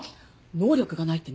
能力がないって何？